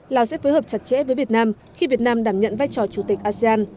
lào sẽ phối hợp chặt chẽ với việt nam khi việt nam đảm nhận vai trò chủ tịch asean